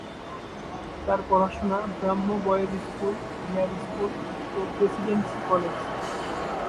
তার পড়াশোনা Brahmo boys school, Hare school ও প্রেসিডেন্সি কলেজে।